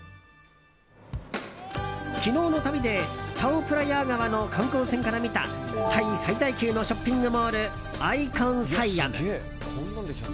昨日の旅で、チャオプラヤー川の観光船から見たタイ最大級のショッピングモールアイコンサイアム。